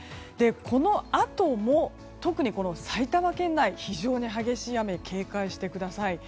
このあとも、特に埼玉県内で非常に激しい雨に警戒してください。